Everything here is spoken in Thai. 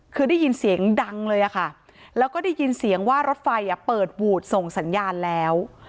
คือได้ยินเสียงดังเลยค่ะแล้วก็ได้ยินเสียงว่ารถไฟเปิดวูดส่งสัญญาณแล้ว